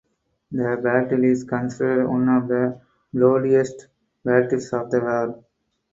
The battle is considered one of the bloodiest battles of the war.